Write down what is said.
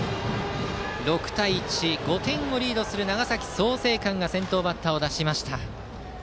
６対１と５点リードする長崎・創成館が先頭バッターを出しました。